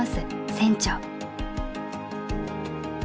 船長。